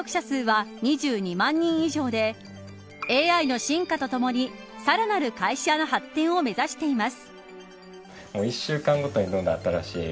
現在登録者数は２２万人以上でＡＩの進化とともにさらなる会社の発展を目指しています。